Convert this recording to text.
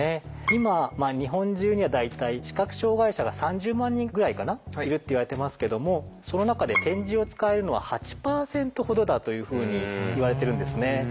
今日本中には大体視覚障害者が３０万人ぐらいかないるっていわれてますけどもその中で点字を使えるのは８％ほどだというふうにいわれてるんですね。